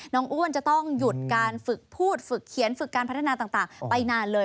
อ้วนจะต้องหยุดการฝึกพูดฝึกเขียนฝึกการพัฒนาต่างไปนานเลย